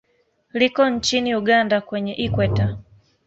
Liko nchini Uganda kwenye Ikweta.